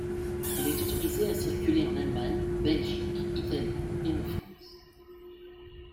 Elle est autorisée à circuler en Allemagne, Belgique, Italie et en France.